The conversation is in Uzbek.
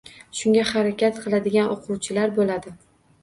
Shunga harakat qiladigan oʻquvchilar boʻladi.